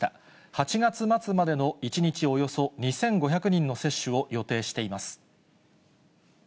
８月末までの１日およそ２５００人の接種を予定しています。